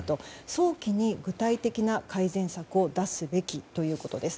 早期に具体的な改善策を出すべきということです。